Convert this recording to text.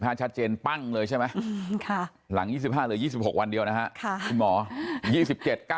ชัดเจนปั้งเลยใช่ไหมหลัง๒๕เหลือ๒๖วันเดียวนะฮะคุณหมอ